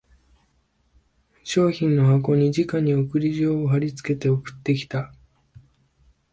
商品の箱にじかに送り状を張りつけて送ってきた